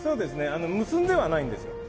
結んでないんですよ。